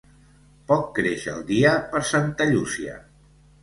Poc creix el dia per Santa Llúcia.